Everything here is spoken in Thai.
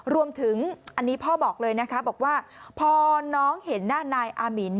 รวมถึงอันนี้พ่อบอกเลยนะคะบอกว่าพอน้องเห็นหน้านายอามิน